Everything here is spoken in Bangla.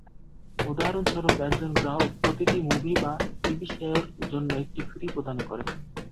উদাহরণস্বরূপ, একজন গ্রাহক প্রতিটি মুভি বা টিভি শোর জন্য একটি ফি প্রদান করে।